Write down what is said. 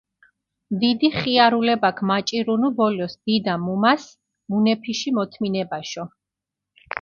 დიდი ხიარულებაქ მაჭირუნუ ბოლოს დიდა-მამასჷ მუნეფიში მოთმინებაშო.